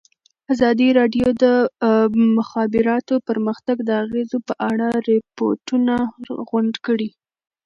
ازادي راډیو د د مخابراتو پرمختګ د اغېزو په اړه ریپوټونه راغونډ کړي.